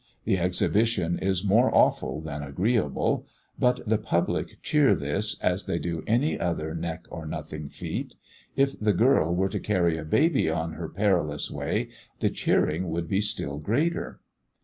The exhibition is more awful than agreeable; but the public cheer this, as they do any other neck or nothing feat. If the girl were to carry a baby on her perilous way, the cheering would be still greater.